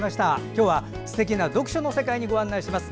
今日はすてきな読書の世界にご案内します。